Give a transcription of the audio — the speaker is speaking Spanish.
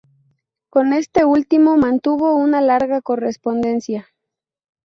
Con este último mantuvo una larga correspondencia.